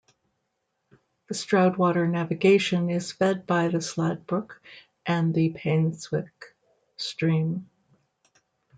The Stroudwater Navigation is fed by the Slad Brook and the Painswick stream.